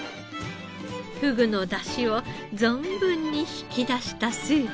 ふぐの出汁を存分に引き出したスープ。